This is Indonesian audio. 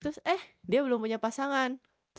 terus aku tanya eh dia belum punya pasangan